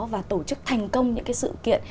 và tổ chức thành công những sự kiện